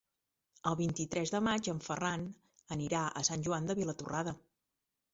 El vint-i-tres de maig en Ferran anirà a Sant Joan de Vilatorrada.